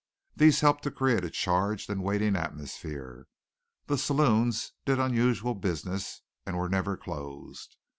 These helped to create a charged and waiting atmosphere. The saloons did unusual business and were never closed.